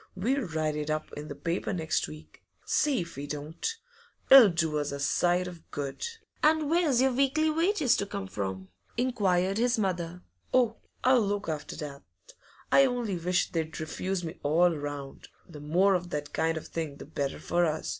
We'll write it up in the paper next week, see if we don't! It'll do us a sight of good.' 'And where's your weekly wages to come from?' inquired his mother. 'Oh, I'll look after that. I only wish they'd refuse me all round; the more of that kind of thing the better for us.